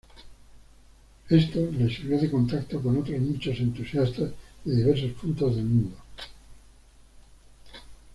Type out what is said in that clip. Esto le sirvió de contacto con otros muchos entusiastas de diversos puntos del mundo.